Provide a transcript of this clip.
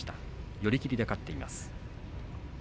寄り切りで勝っています。